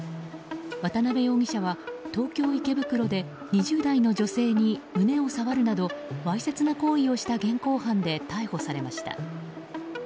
渡辺容疑者は東京・池袋で２０代の女性に胸を触るなどわいせつな行為をした現行犯で逮捕されました。